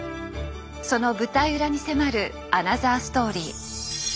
その舞台裏に迫るアナザーストーリー。